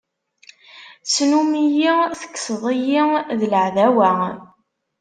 Snum-iyi, tekkseḍ-iyi, d laɛdawa.